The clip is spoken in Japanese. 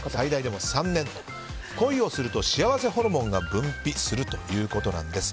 恋をすると幸せホルモンが分泌するということです。